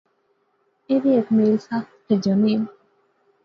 ایہہ وی ہیک میل سا، کیا جیا میل؟